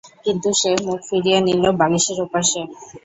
কিন্তু সে মুখ ফিরিয়ে নিল বালিশের ওপাশে।